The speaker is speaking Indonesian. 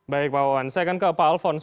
baik pak wawan saya akan ke pak alfons